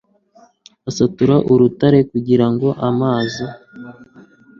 asatura urutare kugira ngo amazi